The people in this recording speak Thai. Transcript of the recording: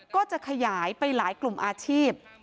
ก็จะขยายไปหลายกลุ่มอาชีพ